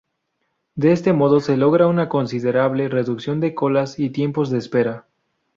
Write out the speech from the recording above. De este modo se logra una considerable reducción de colas y tiempos de espera.